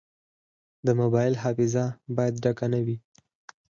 د موبایل حافظه باید ډکه نه وي.